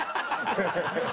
ハハハハ！